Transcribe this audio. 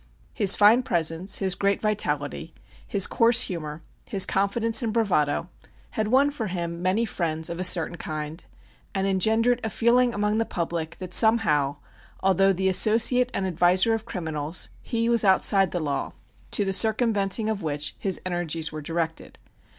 His fine presence, his great vitality, his coarse humor, his confidence and bravado, had won for him many friends of a certain kind and engendered a feeling among the public that somehow, although the associate and adviser of criminals, he was outside the law, to the circumventing of which his energies were directed.